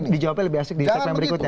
dijawabnya lebih asik di segmen berikutnya